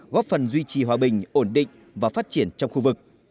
góp phần duy trì hòa bình ổn định và phát triển trong khu vực